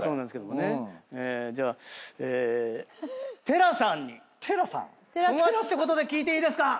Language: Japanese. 寺さんに友達ってことで聞いていいですか？